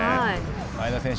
前田選手